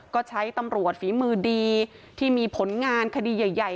ก็ใช้ตำรวจฝีมือดีที่มีผลงานคดีใหญ่